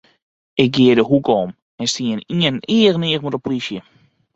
Ik gie de hoeke om en stie ynienen each yn each mei in polysje.